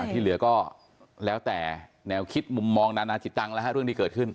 ที่เหลือก็แล้วแต่แนวคิดมุมมองนานาจิตังแล้วฮะเรื่องที่เกิดขึ้น